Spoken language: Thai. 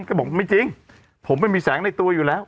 ก็บอกไม่จริงผมไม่มีแสงในตัวอยู่แล้ว